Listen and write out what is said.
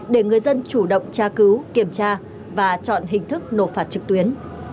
để người dân chủ động tra cứu kiểm tra và chọn hình thức nộp phạt trực tuyến